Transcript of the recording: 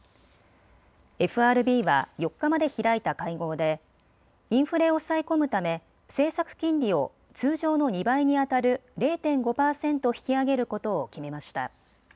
ＦＲＢは４日まで開いた会合でインフレを抑え込むため政策金利を通常の２倍にあたる０．５％引き上げることを決めました。